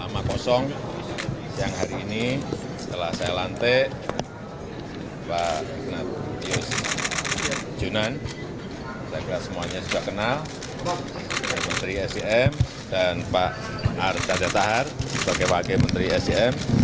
menteri esdm dan pak arcandra tahar sebagai wakil menteri esdm